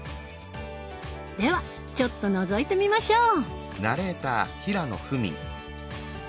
ではちょっとのぞいてみましょう。